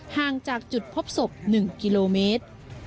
ห่างจากจุดพบศพ๑กิโลเมตร